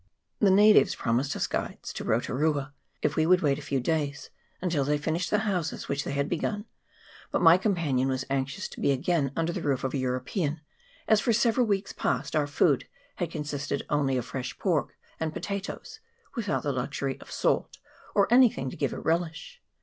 The natives promised us guides to Rotu rua if we would wait a few days, until they finished the houses which they had begun ; but my companion was anxious to be again under the roof of a Euro pean, as for several weeks past our food had con sisted only of fresh pork and potatoes, without the luxury of salt Qr anything to give it a relish.